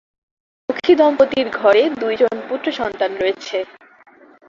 এই সুখী দম্পতির ঘরে দুইজন পুত্র সন্তান রয়েছে।